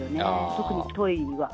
特にトイには。